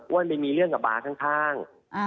อ้วนไปมีเรื่องเพื่อกข้าง